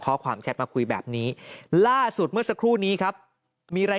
แชทมาคุยแบบนี้ล่าสุดเมื่อสักครู่นี้ครับมีอะไร